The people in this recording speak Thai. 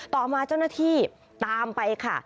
ต่อมาเจ้าหน้าที่ตามไปค่ะ